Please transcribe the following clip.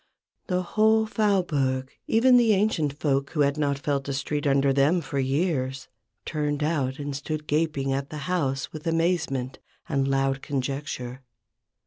The whole Faubourg, even the ancient folk who had not felt a street under them for years, turned out and stood gaping at the house with amazement and loud conjecture.